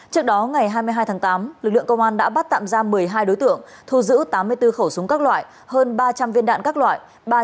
trước đó ngày hai mươi hai tháng tám lực lượng công an đã bắt tạm ra một mươi hai đối tượng thu giữ tám mươi bốn khẩu súng các loại hơn ba trăm linh viên đạn các loại